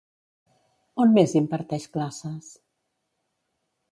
On més imparteix classes?